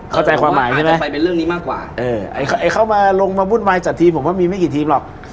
เข้าใจความหมายใช่ไหมเข้ามาลงมาบุ่นวายจัดทีมผมว่ามีไม่กี่ทีมหรอก